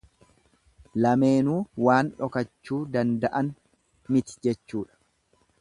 Lameenuu waan dhokachuu danda'an miti jechuudha.